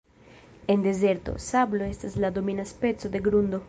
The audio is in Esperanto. En dezerto, sablo estas la domina speco de grundo.